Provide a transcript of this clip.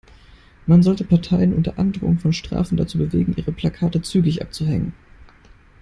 Man sollte Parteien unter Androhung von Strafen dazu bewegen, ihre Plakate zügig abzuhängen.